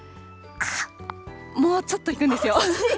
もうちょっといくんですよ。